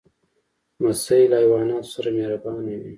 لمسی له حیواناتو سره مهربانه وي.